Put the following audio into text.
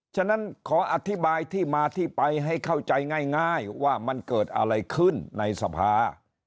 ฉะนั้นขออธิบายที่มาที่ไปให้เข้าใจง่ายว่ามันเกิดอะไรขึ้นในสภา